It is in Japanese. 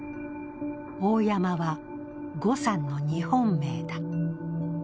大山は、呉さんの日本名だ。